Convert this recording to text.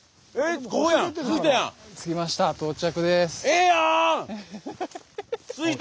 着きました。